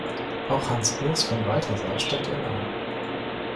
Auch Hans Urs von Balthasar stand ihr nahe.